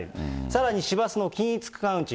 さらに、市バスの均一区間運賃。